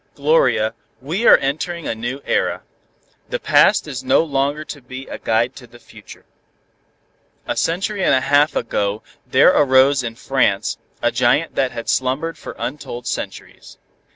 "Gloria, we are entering a new era. The past is no longer to be a guide to the future. A century and a half ago there arose in France a giant that had slumbered for untold centuries.